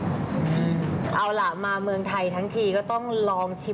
อืมรู้ไหมว่าดังมากเลยตอนนี้